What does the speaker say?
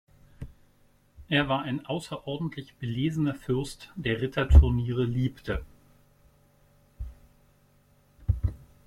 Er war ein außerordentlich belesener Fürst, der Ritterturniere liebte.